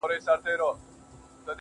و خوږ زړگي ته مي.